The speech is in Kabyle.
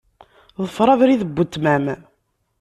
Ḍfeṛ abrid n weltma-m.